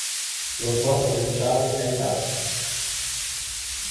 Lo sponsor ufficiale è Hitachi.